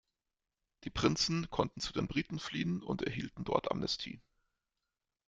Die Prinzen konnten zu den Briten fliehen und erhielten dort Amnestie.